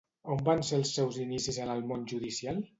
On van ser els seus inicis en el món judicial?